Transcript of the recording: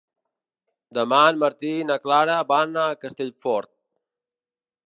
Demà en Martí i na Clara van a Castellfort.